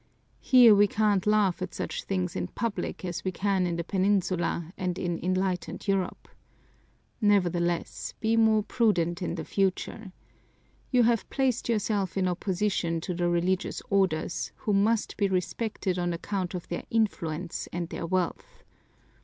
Here we can't laugh at such things in public as we can in the Peninsula and in enlightened Europe. Nevertheless, be more prudent in the future. You have placed yourself in opposition to the religious orders, who must be respected on account of their influence and their wealth.